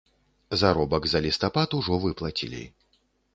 Заробак за лістапад ужо выплацілі.